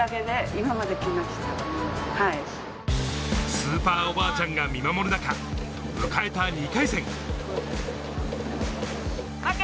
スーパーおばあちゃんが見守る中、迎えた２回戦。